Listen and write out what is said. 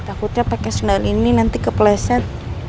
takutnya pake sendal ini nanti kepleset